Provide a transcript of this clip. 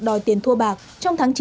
đòi tiền thua bạc trong tháng chín